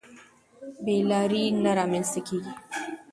بې لارۍ نه رامنځته کېږي.